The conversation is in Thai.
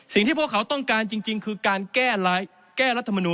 สิ่งที่พวกเขาต้องการจริงคือการแก้รัฐมนูล